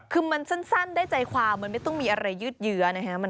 คือมันสั้นได้ใจความมันไม่ต้องมีอะไรยืดเยื้อนะฮะ